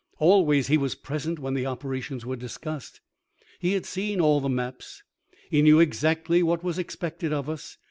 Always he was present when the operations were discussed; he had seen all the maps; he knew exactly what was expected of us.